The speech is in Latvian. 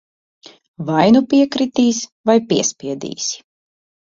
Vai nu piekritīs, vai piespiedīsi.